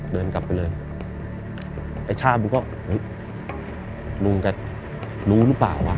เดินกลับไปเลยไอ้ช่ามึงก็ลุงแกรู้หรือเปล่าวะ